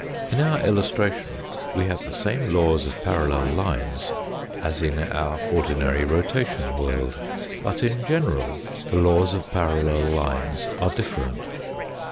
In our illustration we have the same laws of parallel lines as in our ordinary rotation world, but in general the laws of parallel lines are different.